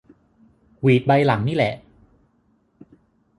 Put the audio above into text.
หวีดใบหลังนี่แหละ